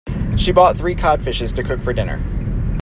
She bought three cod fishes to cook for dinner.